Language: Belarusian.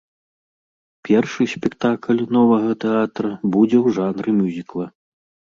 Першы спектакль новага тэатра будзе ў жанры мюзікла.